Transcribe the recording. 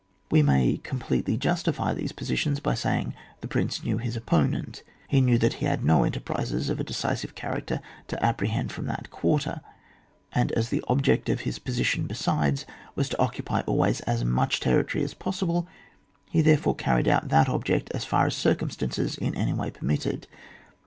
We may completely justify these posi tions by saying, the prince knew his opponent; he knew that he had no enter^ prises of a decisive character to appre hend from that quarter, and as the object of his position besides was to occupy always as much territory as possible, he therefore carried out that object as far as circiunstances in any way permitted.